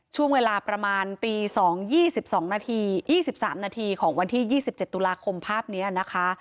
ช่วงเวลาประมาณตี๒๒นาที๒๓นาทีของวันที่๒๗ตุลาคมภาพนี้นะคะ